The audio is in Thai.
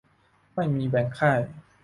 ไม่มีแบ่งค่าย